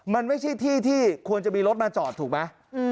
มันไม่ใช่ที่ที่ควรจะมีรถมาจอดถูกไหม